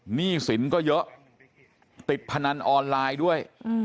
หนี้สินก็เยอะติดพนันออนไลน์ด้วย